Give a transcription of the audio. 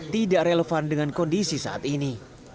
tidak relevan dengan kondisi saat ini